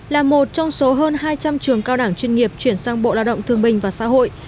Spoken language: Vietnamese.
là một trong số hơn hai trăm linh trường cao đẳng chuyên nghiệp chuyển sang bộ lao động thương bình và xã hội